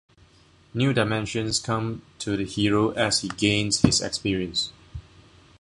New dimensions come to the hero as he gains his experience.